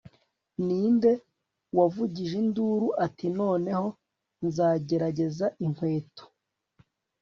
ninde wavugije induru ati 'noneho nzagerageza inkweto